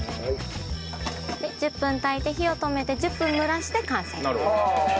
１０分炊いて火を止めて１０分蒸らして完成です。